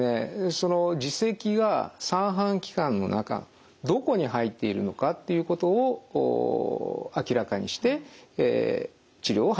その耳石が三半規管の中どこに入っているのかっていうことを明らかにして治療を始める必要があります。